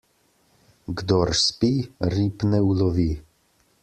Kdor spi, rib ne ulovi.